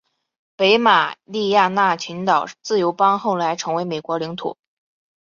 北马里亚纳群岛自由邦后来成为美国领土。